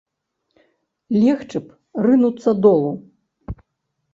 Легчы б, рынуцца долу.